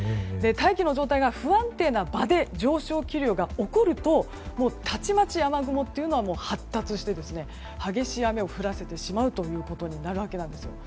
大気の状態が不安定な場で上昇気流が起こるとたちまち雨雲というのは発達して、激しい雨を降らせてしまうことになります。